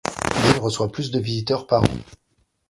L'île reçoit plus de visiteurs par an.